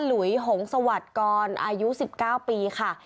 หลุยหงสวัสดิ์กรอายุ๑๙ปีค่ะ